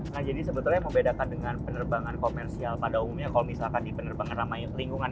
nah jadi sebetulnya membedakan dengan penerbangan komersial pada umumnya kalau misalkan di penerbangan ramah lingkungan